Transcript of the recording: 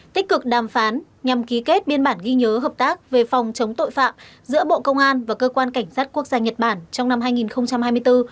tích cực đàm phán nhằm ký kết biên bản ghi nhớ hợp tác về phòng chống tội phạm giữa bộ công an và cơ quan cảnh sát quốc gia nhật bản trong năm hai nghìn hai mươi bốn